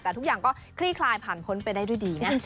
แต่ทุกอย่างก็คลี่คลายผ่านพ้นไปได้ด้วยดีนะจ๊